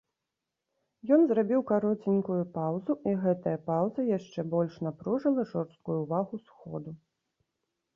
Ён зрабіў кароценькую паўзу, і гэтая паўза яшчэ больш напружыла жорсткую ўвагу сходу.